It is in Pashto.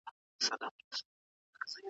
موږ په کمپيوټر کي ليکچر اورو.